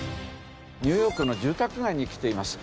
ニューヨークの住宅街に来ています。